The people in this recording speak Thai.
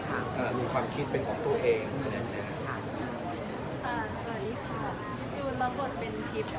อันนั้นชีวิตจริงหรือละคร